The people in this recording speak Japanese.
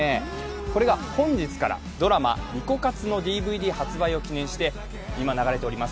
これが本日からドラマ「リコカツ」のＤＶＤ発売を記念して今流れております